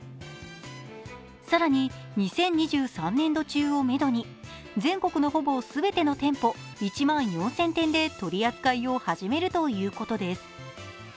更に、２０２３年度中をめどに全国のほぼ全ての店舗１万４０００店で取り扱いを始めるということです。